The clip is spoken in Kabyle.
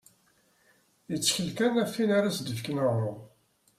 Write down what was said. Yettkel kan ɣef win ara as-d-yefken aɣrum.